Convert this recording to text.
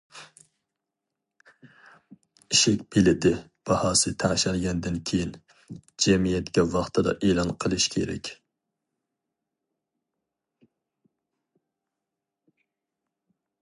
ئىشىك بېلىتى باھاسى تەڭشەلگەندىن كېيىن، جەمئىيەتكە ۋاقتىدا ئېلان قىلىش كېرەك.